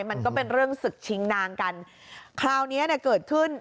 มันก็เป็นเรื่องศึกชิงนางกันคราวเนี้ยเกิดขึ้น